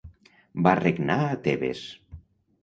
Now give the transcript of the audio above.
Va regnar a Tebes.